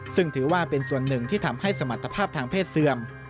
ซึ่งถือว่าเป็นส่วนหนึ่งที่ทำให้สมรรถภาพทางเพศเสื่อม